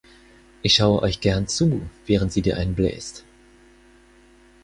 Ich schaue euch gern zu, während sie dir einen bläst.